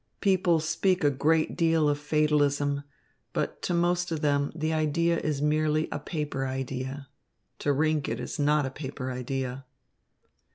People speak a great deal of fatalism, but to most of them the idea is merely a paper idea. To Rinck it is not a paper idea."